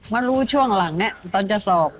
มารู้ช่วงหลังตอนจะสอบ